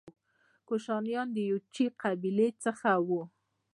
کوشانیان د یوچي قبیلې څخه وو